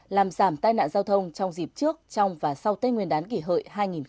làm giảm tai nạn giao thông trong dịp trước trong và sau tết nguyên đán kỷ hợi hai nghìn một mươi chín